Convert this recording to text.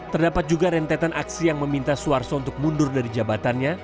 terdapat juga rentetan aksi yang meminta suharto untuk mundur dari jabatannya